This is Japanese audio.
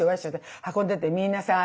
運んでてみんなさ